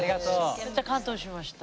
めっちゃ感動しました。